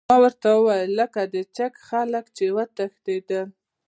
ما ورته وویل: لکه د چیک خلک، چې وتښتېدل.